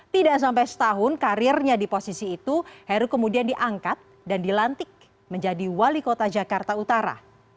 tidak sampai setahun karirnya di posisi itu heru kemudian diangkat dan dilantik menjadi wali kota jakarta utara